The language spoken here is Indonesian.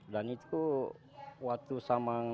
dan itu waktu samang